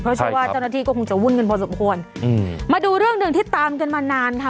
เพราะเชื่อว่าเจ้าหน้าที่ก็คงจะวุ่นกันพอสมควรอืมมาดูเรื่องหนึ่งที่ตามกันมานานค่ะ